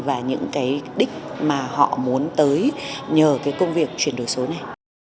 và những đích mà họ muốn tới nhờ công việc chuyển đổi số này